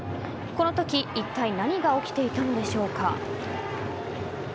このとき、いったい何が起きていたのでしょうか。